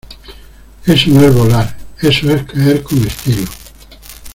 Eso no es volar. Eso es caer con estilo .